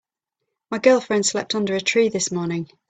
My girlfriend slept under a tree this morning.